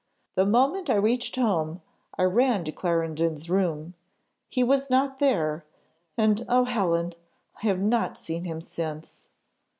The moment I reached home, I ran to Clarendon's room; he was not there, and oh! Helen, I have not seen him since!